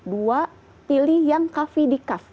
dua pilih yang kafein di kafe